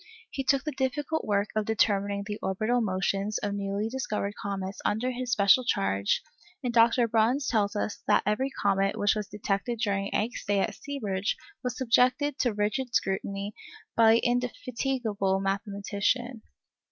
He took the difficult work of determining the orbital motions of newly discovered comets under his special charge, and Dr. Bruhns tells us that every comet which was detected during Encke's stay at Seeberge was subjected to rigid scrutiny by the indefatigable mathematician.